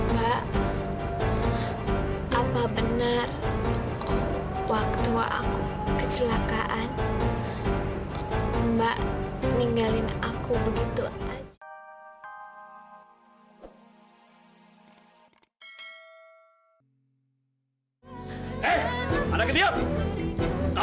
mbak apa benar waktu aku kecelakaan mbak ninggalin aku begitu aja